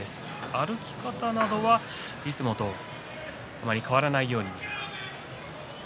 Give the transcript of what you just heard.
歩き方はいつもと変わらないように見えます。